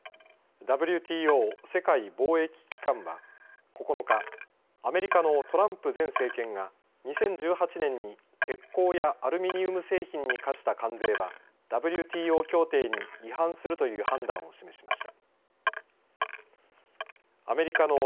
ＷＴＯ＝世界貿易機関は９日アメリカのトランプ前政権が２０１８年に鉄工やアルミニウム製品に課した関税はＷＨＯ協定に違反するという判断を示しました。